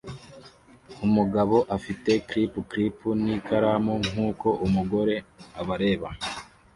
Umugabo afite clip clip n'ikaramu nkuko umugore abareba